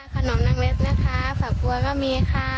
ขนมนางเล็บนะคะฝักบัวก็มีค่ะ